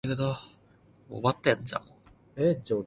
一句講哂